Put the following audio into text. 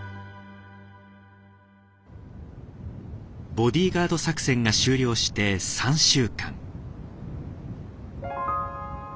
ボディーガード作戦が終了して３週間。